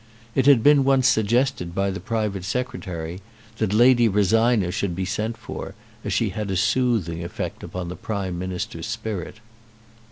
It had been once suggested by the private Secretary that Lady Rosina should be sent for, as she had a soothing effect upon the Prime Minister's spirit.